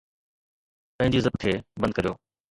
پنھنجي زپ کي بند ڪريو